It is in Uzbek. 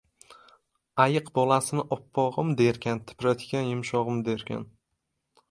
• Ayiq bolasini “oppog‘im” derkan, tipratikan “yumshog‘im” derkan.